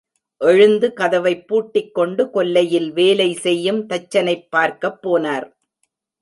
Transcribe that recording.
எழுந்து கதவைப்பூட்டிக்கொண்டு கொல்லையில் வேலை செய்யும் தச்சனைப் பார்க்கப் போனார்.